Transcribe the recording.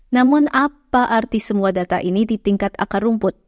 namun apa arti semua data ini di tingkat akar rumput